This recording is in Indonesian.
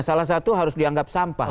salah satu harus dianggap sampah